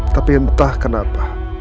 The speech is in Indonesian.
tapi entah kenapa